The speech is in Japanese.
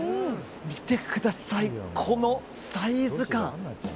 見てください、このサイズ感。